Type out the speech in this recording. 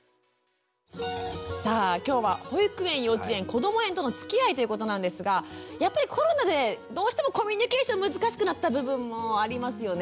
さあ今日は保育園幼稚園こども園とのつきあいということなんですがやっぱりコロナでどうしてもコミュニケーション難しくなった部分もありますよね。